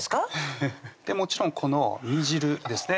もちろんこの煮汁ですね